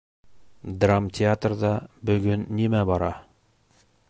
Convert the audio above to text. Драмтеатрҙа бөгөн нимә бара?